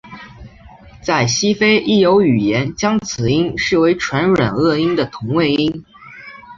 在西非亦有语言将此音视为唇软腭音的同位音。